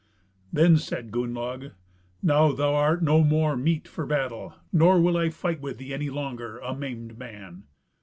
Then said Gunnlaug, "Now thou art no more meet for battle, nor will I fight with thee any longer, a maimed man."